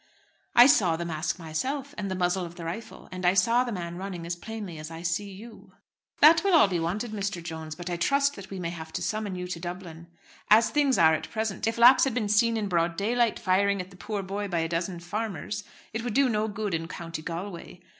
"I saw the mask myself, and the muzzle of the rifle; and I saw the man running as plainly as I see you." "That will all be wanted, Mr. Jones. But I trust that we may have to summon you to Dublin. As things are at present, if Lax had been seen in broad daylight firing at the poor boy by a dozen farmers it would do no good in County Galway.